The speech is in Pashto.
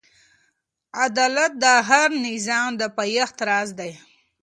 عدالت د هر نظام د پایښت راز دی.